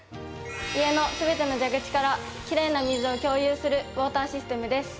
家の全ての蛇口からきれいな水を共有するウォーターシステムです。